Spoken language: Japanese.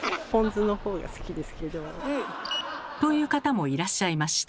という方もいらっしゃいました。